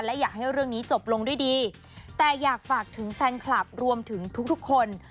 และอยากให้เรื่องนี้จบลงด้วยดีแต่อยากฝากถึงแฟนคลับรวมถึงทุกทุกคน